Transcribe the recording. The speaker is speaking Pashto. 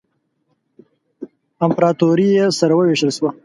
امپراطوري یې سره ووېشل شوه.